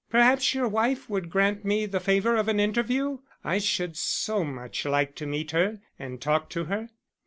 Perhaps your wife would grant me the favour of an interview? I should so much like to meet her and talk to her."